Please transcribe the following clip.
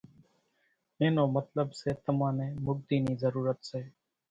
اين نون مطلٻ سي تمان نين مڳتي نِي ضرورت سي